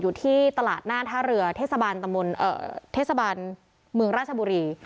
อยู่ที่ตลาดหน้าท่าเรือเทศบาลเมืองราชบุรี